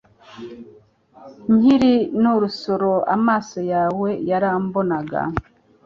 Nkiri n’urusoro amaso yawe yarambonaga